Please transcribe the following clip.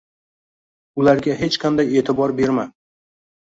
Ularga hech qanday e’tibor berma.